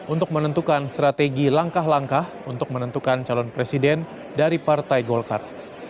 untuk menentukan strategi langkah langkah untuk menentukan calon presiden dari partai golkar